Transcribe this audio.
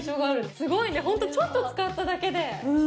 すごいね、本当にちょっと使っただけで。